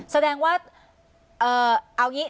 แสดงว่าเอาอย่างนี้